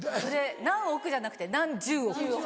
何億じゃなくて何十億。